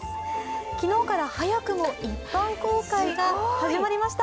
昨日から早くも一般公開が始まりました。